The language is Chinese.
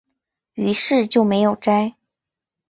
於是就没有摘